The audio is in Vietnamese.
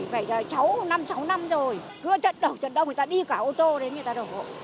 vậy là năm sáu năm rồi cứ trận đổ trận đổ người ta đi cả ô tô đến người ta đổ